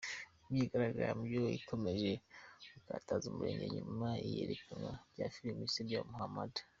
Imyigaragambyo ikomeje gukaza umurego nyuma y’iyerekanwa rya filimi isebya Mohammad